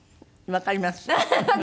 わかります？